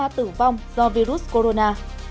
ba tử vong do virus corona